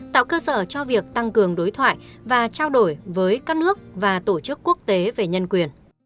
tạo cơ sở cho việc tăng cường đối thoại và trao đổi với các nước và tổ chức quốc tế về nhân quyền